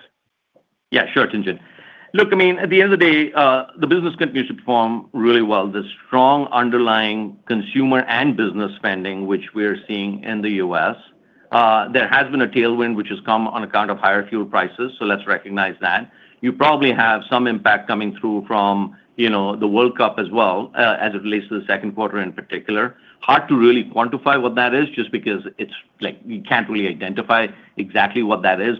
Yeah, sure, Tien-tsin. Look, at the end of the day, the business continues to perform really well. The strong underlying consumer and business spending, which we're seeing in the U.S. There has been a tailwind which has come on account of higher fuel prices, so let's recognize that. You probably have some impact coming through from the World Cup as well, as it relates to the second quarter in particular. Hard to really quantify what that is just because we can't really identify exactly what that is.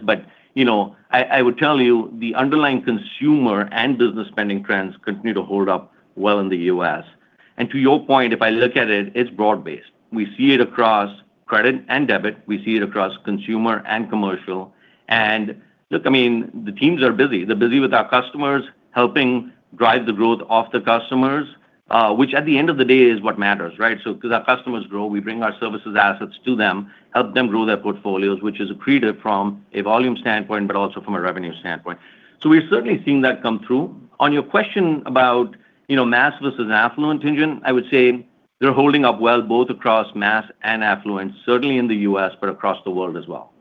I would tell you the underlying consumer and business spending trends continue to hold up well in the U.S. To your point, if I look at it's broad-based. We see it across credit and debit. We see it across consumer and commercial. And look, the teams are busy. They're busy with our customers, helping drive the growth of the customers, which at the end of the day is what matters, right? Because our customers grow, we bring our services assets to them, help them grow their portfolios, which is accretive from a volume standpoint, but also from a revenue standpoint. We're certainly seeing that come through. On your question about mass versus affluent engine, I would say they're holding up well, both across mass and affluent. Certainly in the U.S., but across the world as well.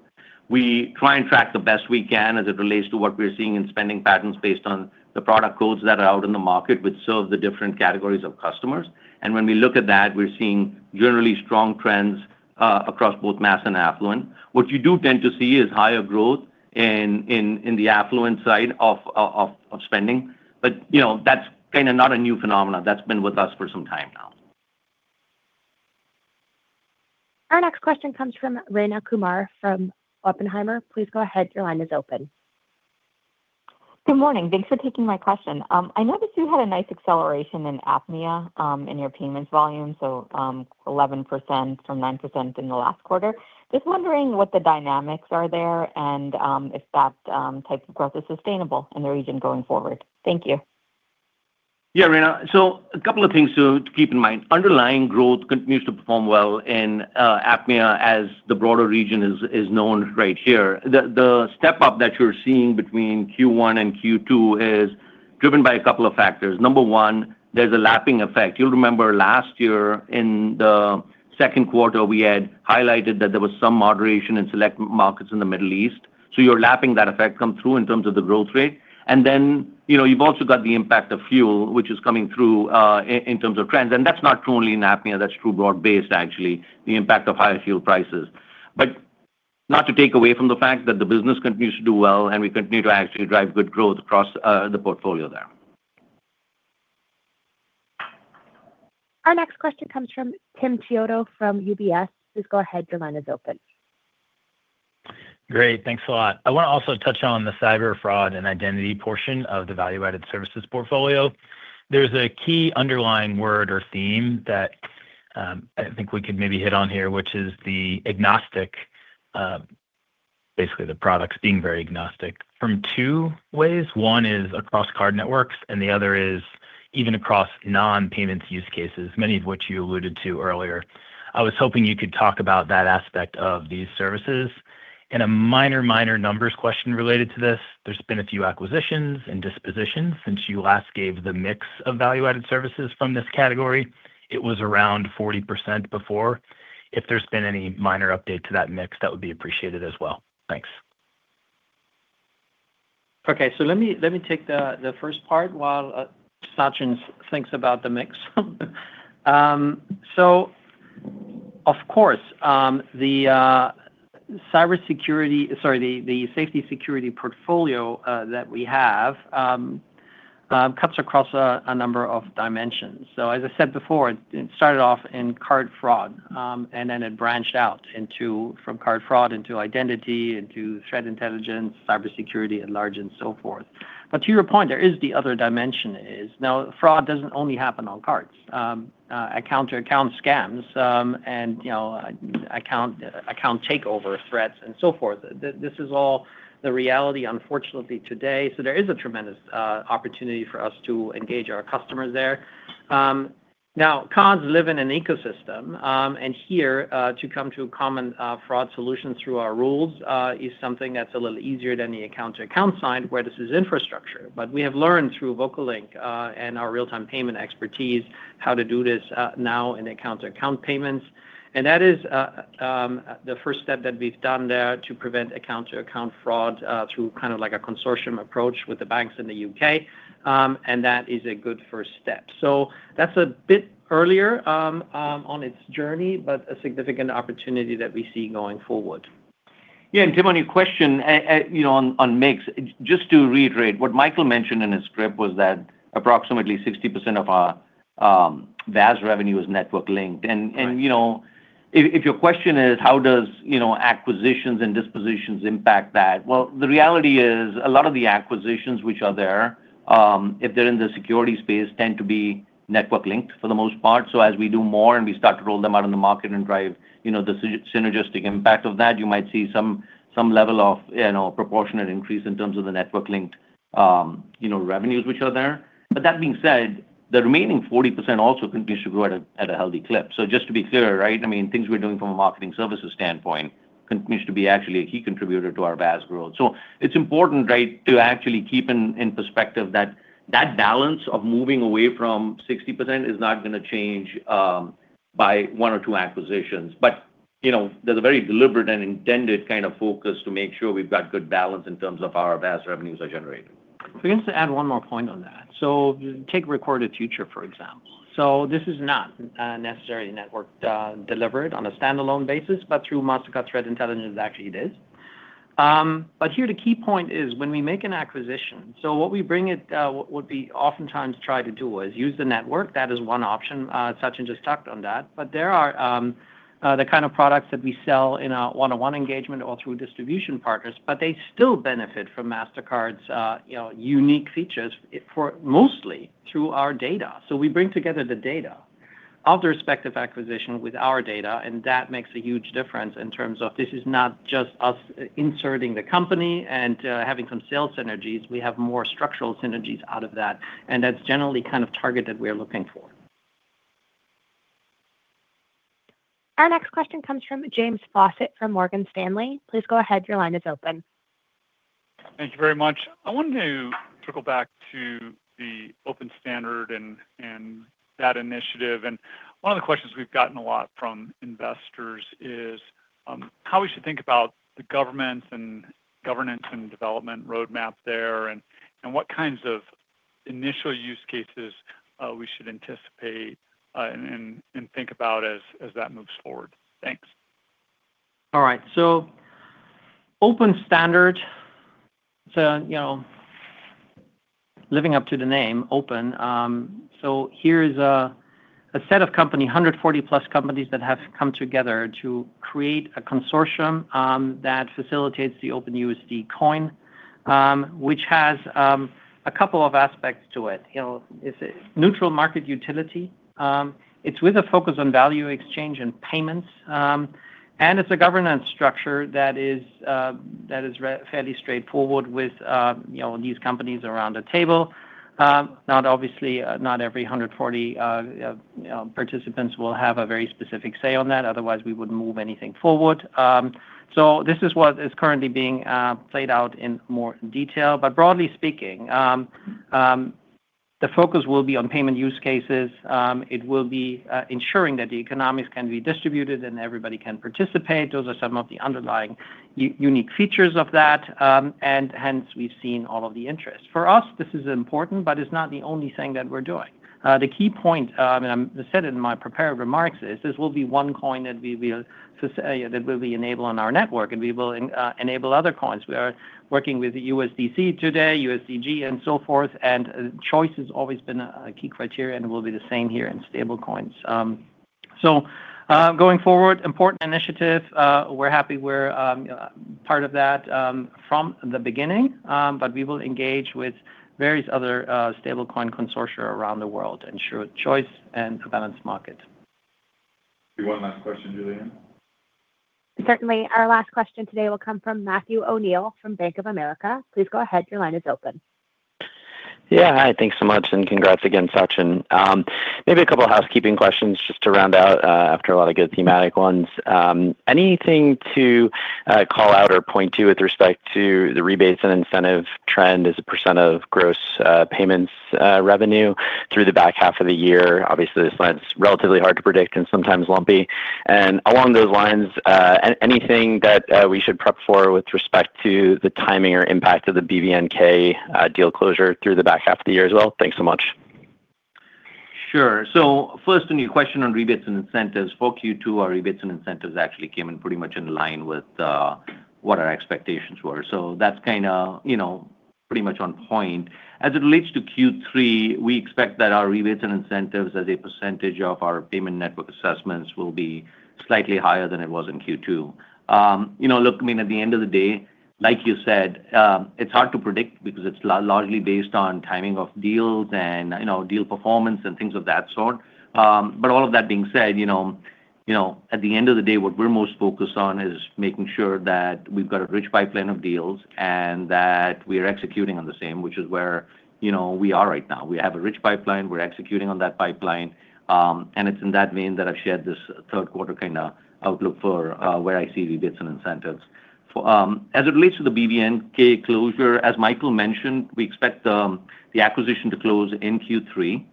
We try and track the best we can as it relates to what we're seeing in spending patterns based on the product codes that are out in the market, which serve the different categories of customers. When we look at that, we're seeing generally strong trends, across both mass and affluent. What you do tend to see is higher growth in the affluent side of spending. That's kind of not a new phenomenon. That's been with us for some time now. Our next question comes from Rayna Kumar from Oppenheimer. Please go ahead. Your line is open. Good morning. Thanks for taking my question. I noticed you had a nice acceleration in APMEA, in your payments volume, 11% from 9% in the last quarter. Just wondering what the dynamics are there and if that type of growth is sustainable in the region going forward. Thank you. Yeah, Rayna. A couple of things to keep in mind. Underlying growth continues to perform well in APMEA as the broader region is known right here. The step up that you're seeing between Q1 and Q2 is driven by a couple of factors. Number one, there's a lapping effect. You'll remember last year in the second quarter, we had highlighted that there was some moderation in select markets in the Middle East. You're lapping that effect come through in terms of the growth rate. You've also got the impact of fuel, which is coming through, in terms of trends, and that's not truly in APMEA, that's true broad-based actually, the impact of higher fuel prices. Not to take away from the fact that the business continues to do well, and we continue to actually drive good growth across the portfolio there. Our next question comes from Tim Chiodo from UBS. Please go ahead. Your line is open. Great. Thanks a lot. I want to also touch on the cyber fraud and identity portion of the Value-Added Services portfolio. There's a key underlying word or theme that I think we could maybe hit on here, which is the agnostic. Basically, the products being very agnostic from two ways. One is across card networks, and the other is even across non-payments use cases, many of which you alluded to earlier. I was hoping you could talk about that aspect of these services. A minor numbers question related to this. There's been a few acquisitions and dispositions since you last gave the mix of Value-Added Services from this category. It was around 40% before. If there's been any minor update to that mix, that would be appreciated as well. Thanks. Let me take the first part while Sachin thinks about the mix. Of course, the safety security portfolio that we have cuts across a number of dimensions. As I said before, it started off in card fraud, then it branched out from card fraud into identity, into threat intelligence, cybersecurity at large and so forth. To your point, there is the other dimension is now fraud doesn't only happen on cards. Account-to-account scams, and account takeover threats and so forth. This is all the reality unfortunately today. There is a tremendous opportunity for us to engage our customers there. Now, cons live in an ecosystem, and here, to come to a common fraud solution through our rules, is something that's a little easier than the account-to-account side where this is infrastructure. We have learned through VocaLink, and our real-time payment expertise how to do this now in account-to-account payments. That is the first step that we've done there to prevent account-to-account fraud, through kind of like a consortium approach with the banks in the U.K. That is a good first step. That's a bit earlier on its journey, but a significant opportunity that we see going forward. Tim, on your question on mix, just to reiterate, what Michael mentioned in his script was that approximately 60% of our VAS revenue is network linked. Right. If your question is how does acquisitions and dispositions impact that? The reality is a lot of the acquisitions which are there, if they're in the security space, tend to be network linked for the most part. As we do more and we start to roll them out in the market and drive the synergistic impact of that, you might see some level of proportionate increase in terms of the network linked revenues which are there. That being said, the remaining 40% also continues to grow at a healthy clip. Just to be clear, right? Things we're doing from a marketing services standpoint continues to be actually a key contributor to our VAS growth. It's important, right? To actually keep in perspective that that balance of moving away from 60% is not going to change by one or two acquisitions. There's a very deliberate and intended kind of focus to make sure we've got good balance in terms of how our VAS revenues are generated. If we can just add one more point on that. Take Recorded Future, for example. This is not necessarily network delivered on a standalone basis, but through Mastercard Threat Intelligence, actually, it is. Here the key point is when we make an acquisition, what we oftentimes try to do is use the network. That is one option. Sachin just touched on that. There are the kind of products that we sell in a one-on-one engagement or through distribution partners, but they still benefit from Mastercard's unique features, mostly through our data. We bring together the data of the respective acquisition with our data, and that makes a huge difference in terms of this is not just us inserting the company and having some sales synergies. We have more structural synergies out of that, and that's generally kind of target that we're looking for. Our next question comes from James Faucette from Morgan Stanley. Please go ahead. Your line is open. Thank you very much. I wanted to circle back to the open standard and that initiative. One of the questions we've gotten a lot from investors is how we should think about the governance and development roadmap there, and what kinds of initial use cases we should anticipate and think about as that moves forward? Thanks. Open standard. Living up to the name open. Here's a set of company, 140+ companies that have come together to create a consortium that facilitates the OpenUSD coin, which has a couple of aspects to it. It's a neutral market utility. It's with a focus on value exchange and payments. It's a governance structure that is fairly straightforward with these companies around the table. Obviously, not every 140 participants will have a very specific say on that, otherwise we wouldn't move anything forward. This is what is currently being played out in more detail. Broadly speaking, the focus will be on payment use cases. It will be ensuring that the economics can be distributed and everybody can participate. Those are some of the underlying unique features of that. Hence we've seen all of the interest. For us, this is important, but it's not the only thing that we're doing. The key point, and I said it in my prepared remarks, is this will be one coin that we will enable on our network, and we will enable other coins. We are working with USDC today, USDG, and so forth, choice has always been a key criteria and will be the same here in stablecoins. Going forward, important initiative. We're happy we're part of that from the beginning. We will engage with various other stablecoin consortia around the world, ensure choice and a balanced market. One last question, Julianne. Certainly. Our last question today will come from Matthew O'Neill from Bank of America. Please go ahead. Your line is open. Yeah. Hi. Thanks so much, and congrats again, Sachin. Maybe a couple housekeeping questions just to round out after a lot of good thematic ones. Anything to call out or point to with respect to the rebates and incentive trend as a percent of gross payments revenue through the back half of the year? Obviously, this one's relatively hard to predict and sometimes lumpy. Along those lines, anything that we should prep for with respect to the timing or impact of the BVNK deal closure through the back half of the year as well? Thanks so much. Sure. First, on your question on rebates and incentives for Q2, our rebates and incentives actually came in pretty much in line with what our expectations were. That's pretty much on point. As it relates to Q3, we expect that our rebates and incentives as a percentage of our payment network assessments will be slightly higher than it was in Q2. Look, I mean, at the end of the day, like you said, it's hard to predict because it's largely based on timing of deals and deal performance and things of that sort. All of that being said, at the end of the day, what we're most focused on is making sure that we've got a rich pipeline of deals and that we are executing on the same, which is where we are right now. We have a rich pipeline. We're executing on that pipeline. It's in that vein that I've shared this third quarter kind of outlook for where I see rebates and incentives. As it relates to the BVNK closure, as Michael mentioned, we expect the acquisition to close in Q3.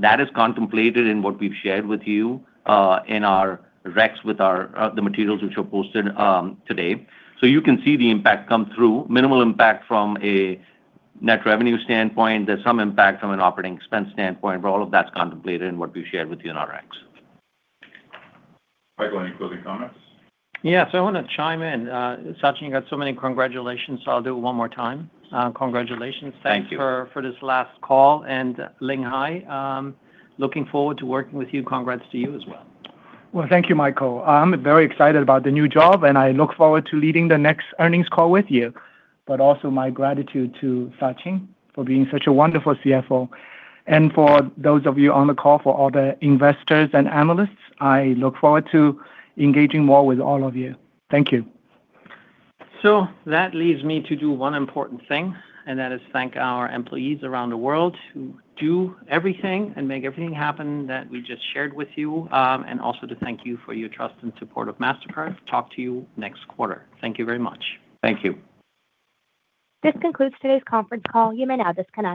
That is contemplated in what we've shared with you in our recs with the materials which are posted today. You can see the impact come through. Minimal impact from a net revenue standpoint. There's some impact from an operating expense standpoint. All of that's contemplated in what we've shared with you in our recs. Michael, any closing comments? I want to chime in. Sachin, you got so many congratulations, I'll do it one more time. Congratulations. Thank you. Thanks for this last call. Ling Hai, looking forward to working with you. Congrats to you as well. Thank you, Michael. I'm very excited about the new job, and I look forward to leading the next earnings call with you. Also my gratitude to Sachin for being such a wonderful CFO. For those of you on the call, for all the investors and analysts, I look forward to engaging more with all of you. Thank you. That leaves me to do one important thing, and that is thank our employees around the world who do everything and make everything happen that we just shared with you. Also to thank you for your trust and support of Mastercard. Talk to you next quarter. Thank you very much. Thank you. This concludes today's conference call. You may now disconnect.